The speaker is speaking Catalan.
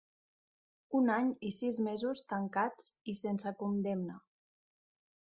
Un any i sis mesos tancats i sense condemna.